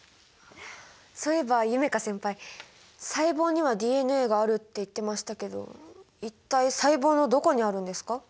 そういえば夢叶先輩「細胞にはＤＮＡがある」って言ってましたけど一体細胞のどこにあるんですか？